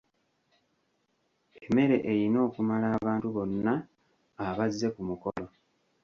Emmere eyina okumala abantu bonna abazze ku mukolo.